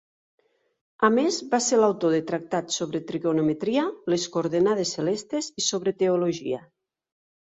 A més va ser l'autor de tractats sobre trigonometria, les coordenades celestes i sobre teologia.